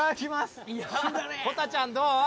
こたちゃんどう？